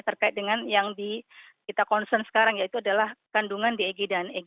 terkait dengan yang kita concern sekarang yaitu adalah kandungan di eg dan e